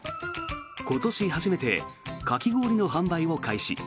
今年初めてかき氷の販売を開始。